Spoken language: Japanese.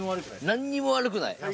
なんにも悪くない。